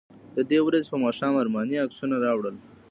د دې ورځې په ماښام ارماني عکسونه راوړل.